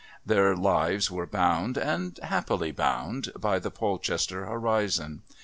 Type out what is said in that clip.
Their lives were bound, and happily bound, by the Polchester horizon.